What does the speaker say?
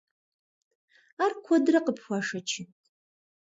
Ар куэдрэ къыпхуашэчынт?